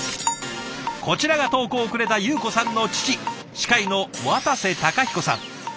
こちらが投稿をくれた有子さんの父歯科医の渡瀬孝彦さん。